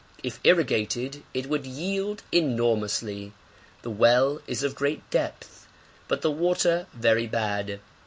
If irrigated it would yield enormously. The well is of great depth, but the water very bad.